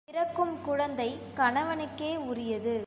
பிறக்கும் குழந்தை கணவனுக்கே உரியது.